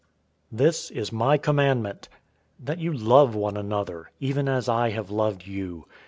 015:012 "This is my commandment, that you love one another, even as I have loved you.